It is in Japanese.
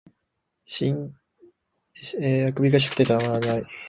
欠伸がしたくてたまらない